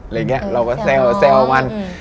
อย่างนี้เราก็แซวมัน